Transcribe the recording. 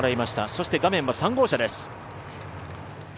そして画面は３号車です。